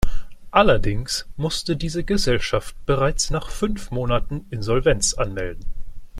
Allerdings musste diese Gesellschaft bereits nach fünf Monaten Insolvenz anmelden.